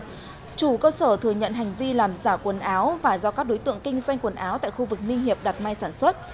trước đó chủ cơ sở thừa nhận hành vi làm giả quần áo và do các đối tượng kinh doanh quần áo tại khu vực ninh hiệp đặt may sản xuất